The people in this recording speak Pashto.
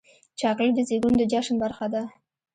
چاکلېټ د زیږون د جشن برخه ده.